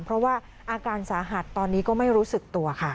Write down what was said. เพราะว่าอาการสาหัสตอนนี้ก็ไม่รู้สึกตัวค่ะ